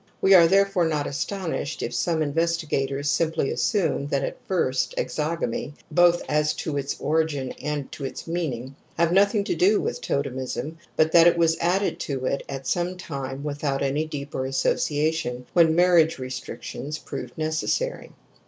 We are therefore not astonished if some investi gators simply assume that at first exogamy — both as to its origin and to its meaning — had nothing to do with totemism, but that it was added to it at some time without any deeper association, when marriage restrictions proved necessary.